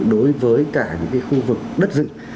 đối với cả những cái khu vực đất dựng